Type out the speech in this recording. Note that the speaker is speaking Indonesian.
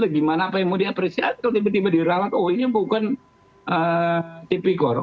gimana apa yang mau diapresiasi kalau tiba tiba diralat oh ini bukan tipikor